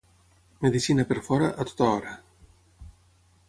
Medicina per fora, a tota hora.